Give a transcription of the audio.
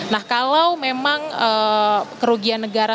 nah kalau memang kerugian negara